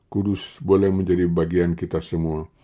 kudus boleh menjadi bagian kita semua